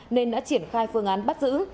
nên đã triển khai phương án bắt giữ